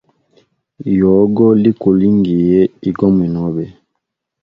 Yogo likulingiye igo mwinobe.